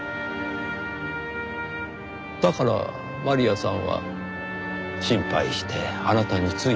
だからマリアさんは心配してあなたについてきた。